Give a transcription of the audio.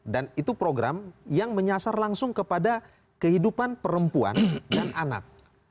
dan itu program yang menyasar langsung kepada kehidupan perempuan dan anak